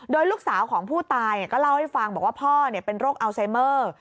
โดยลูกสาวของผู้ตายก็เล่าให้ฟังบอกว่าพ่อเป็นโรคอัลไซเมอร์